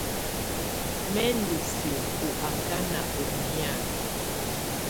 Mɛ ndɔ́ siǝ́ ɔ ákana ɔ nɛ̀á.